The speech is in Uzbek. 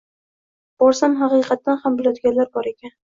Borsam, haqiqatan ham biladigani bor ekan.